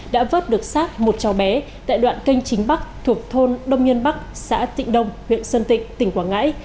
đã vớt được sát một cháu bé tại đoạn canh chính bắc thuộc thôn đông nhân bắc xã tịnh đông huyện sơn tịnh tỉnh quảng ngãi